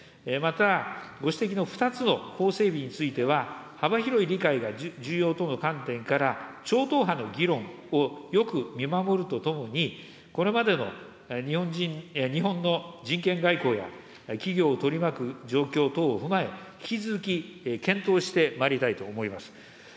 また、ご指摘の２つの法整備については、幅広い理解が重要との観点から、超党派の議論をよく見守るとともに、これまでの日本の人権外交や、企業を取り巻く状況等を踏まえ、引き続き、検討してまいりたいと思います。